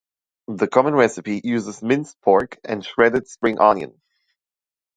The common recipe uses minced pork and shredded spring onion.